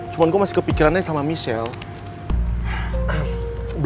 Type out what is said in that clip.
cuma gue masih kepikirannya sama michelle